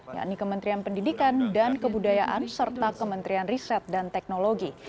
yakni kementerian pendidikan dan kebudayaan serta kementerian riset dan teknologi